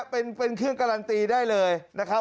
เป็นเครื่องการันตีได้เลยนะครับ